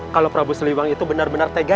kalau prabu siliwang itu benar benar tega ya